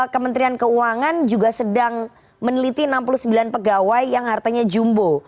kementerian keuangan juga sedang meneliti enam puluh sembilan pegawai yang hartanya jumbo